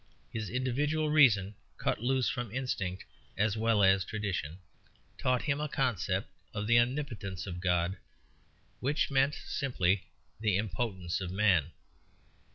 His individual reason, cut loose from instinct as well as tradition, taught him a concept of the omnipotence of God which meant simply the impotence of man.